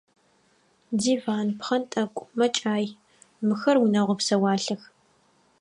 Диван, пхъэнтӏэкӏу, мэкӏай – мыхэр унэгъо псэуалъэх.